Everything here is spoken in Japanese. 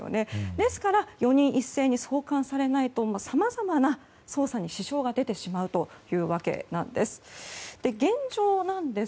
ですから、４人一斉に送還されないとさまざまな捜査に支障が出てしまうというわけなんです。